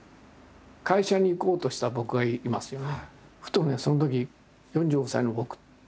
会社に行こうとした僕がいますよね。